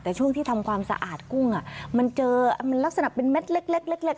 แต่ช่วงที่ทำความสะอาดกุ้งมันเจอมันลักษณะเป็นเม็ดเล็ก